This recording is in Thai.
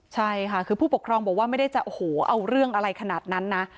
ใช่ค่ะคือผู้ปกครองบอกว่าไม่ได้จะโอ้โหเอาเรื่องอะไรขนาดนั้นนะ